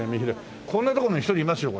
こんな所に１人いますよ